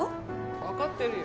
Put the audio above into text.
分かってるよ。